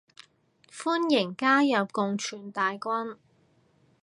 歡迎加入共存大軍